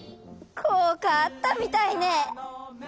こうかあったみたいね。